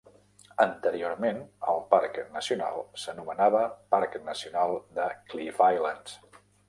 Anteriorment, el parc nacional s'anomenava Parc Nacional de Cliff Islands.